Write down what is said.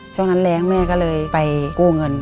ช่วงนั้นแรงแม่ก็เลยไปกู้เงิน